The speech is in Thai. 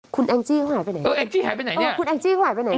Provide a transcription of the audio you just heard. คุณแองจีเขาหายไปไหนเนี่ยคุณแองจีเขาหายไปไหนเนี่ย